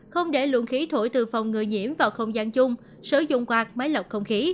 không để lượng khí thổi từ phòng ngừa nhiễm vào không gian chung sử dụng quạt máy lọc không khí